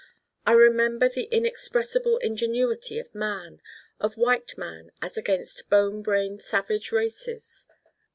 I remember the inexpressible ingenuity of man: of white man as against bone brained savage races.